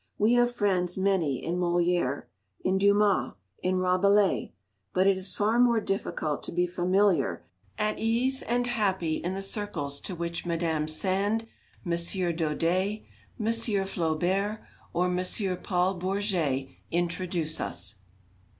We have friends many in Molière, in Dumas, in Rabelais; but it is far more difficult to be familiar, at ease, and happy in the circles to which Madame Sand, M. Daudet, M. Flaubert, or M. Paul Bourget introduce us.